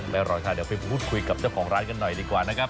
อร่อยค่ะเดี๋ยวไปพูดคุยกับเจ้าของร้านกันหน่อยดีกว่านะครับ